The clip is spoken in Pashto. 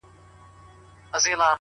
ځکه نه خېژي په تله برابر د جهان یاره,